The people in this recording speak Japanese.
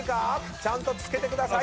ちゃんと付けてください。